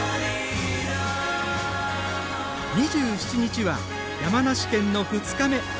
２７日は、山梨県の２日目。